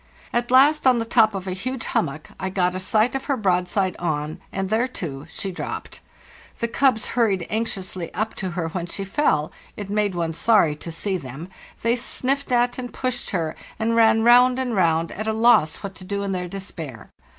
At last, on the top of a huge hummock, I got A} sight"of her broadside on, and there, too, she dropped. The cubs hurried anxiously up to her when she fell—it made one sorry to see them—they sniffed at and pushed her, and ran round and round, at a loss what to do in their despair.